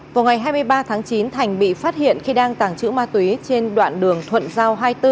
vào ngày hai mươi ba tháng chín thành bị phát hiện khi đang tàng trữ ma túy trên đoạn đường thuận giao hai mươi bốn